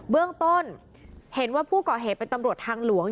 เบื้องต้นเห็นว่าผู้ก่อเหตุเป็นตำรวจทางหลวง